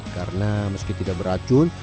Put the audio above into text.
karena meski tidak beracun